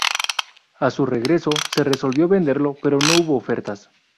A su regreso se resolvió venderlo pero no hubo ofertas.